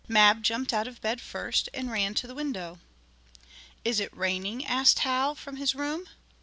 Mab jumped out of bed first and ran to the window. "Is it raining?" asked Hal, from his room.